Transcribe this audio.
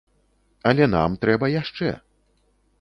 Але нам трэба яшчэ.